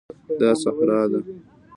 دا صحرا ده